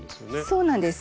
そうなんです。